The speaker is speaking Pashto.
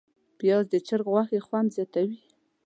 پیاز د چرګ غوښې خوند زیاتوي